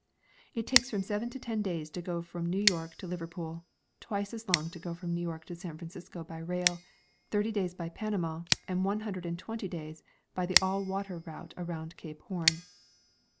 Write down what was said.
It takes from seven to ten days to go from New York to Liverpool, t;^vice as long from New York to San Francisco by rail, thirty days by Panama, and one hundred and twenty days by the all water route around cape Horn.